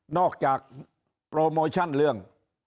จากโปรโมชั่นเรื่อง